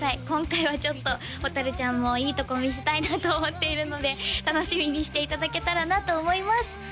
今回はちょっと蛍ちゃんもいいとこ見せたいなと思っているので楽しみにしていただけたらなと思います